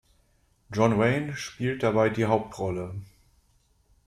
John Wayne spielt dabei die Hauptrolle.